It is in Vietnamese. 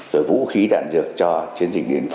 rồi vũ khí đạn dược cho chiến dịch biến phố